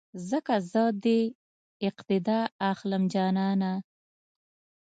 ځکه زه دې اقتیدا اخلم جانانه